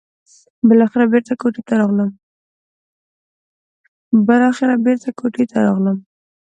بالاخره بېرته کوټې ته راغلم.